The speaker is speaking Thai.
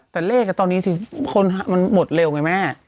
แต่เลขตอนนี้มันหมดเร็วไหมแม่